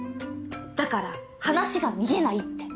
だから話が見えないって。